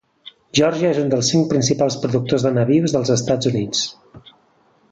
Geòrgia és un dels cinc principals productors de nabius dels Estats Units.